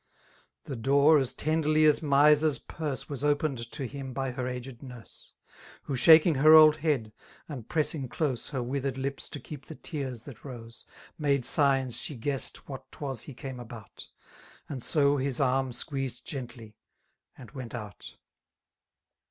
The door, as tenderly as miser's purse. Was opened to him by her aged nurse. Who. shaking her old head^ and pressing close Her withered lips to keep the tears that rose. Made signs she guessed what ^iwas lie came about, And so his arm squeezed gently, and went out.